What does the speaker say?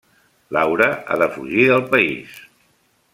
Laura ha de fugir del país.